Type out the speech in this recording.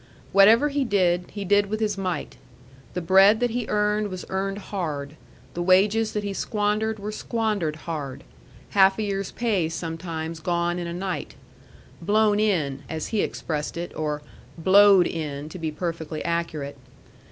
Whatever he did, he did with his might. The bread that he earned was earned hard, the wages that he squandered were squandered hard, half a year's pay sometimes gone in a night, "blown in," as he expressed it, or "blowed in," to be perfectly accurate.